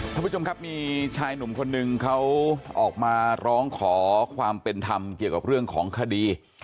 ท่านผู้ชมครับมีชายหนุ่มคนนึงเขาออกมาร้องขอความเป็นธรรมเกี่ยวกับเรื่องของคดี